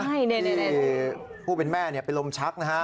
ที่ผู้เป็นแม่ไปลมชักนะคะ